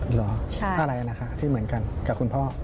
เหรออะไรนะคะที่เหมือนกันกับคุณพ่อ